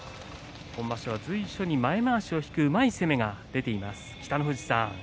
随所に前まわしを引くうまい相撲が出ています。